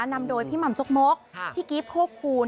นำโดยพี่หม่ำชกมกพี่กิฟต์โคกคูณ